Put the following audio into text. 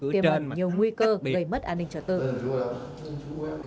tiêm mất nhiều nguy cơ gây mất an ninh trả tư